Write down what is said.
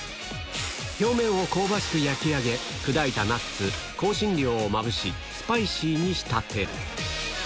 表面を香ばしく焼き上げ、砕いたナッツ、香辛料をまぶし、スパイシーに仕立てる。